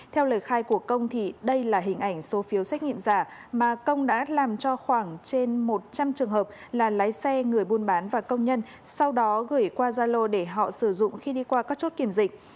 theo lời khai của công thì đây là hình ảnh số phiếu xét nghiệm giả mà công đã làm cho khoảng trên một trăm linh trường hợp là lái xe người buôn bán và công nhân sau đó gửi qua gia lô để họ sử dụng khi đi qua các chốt kiểm dịch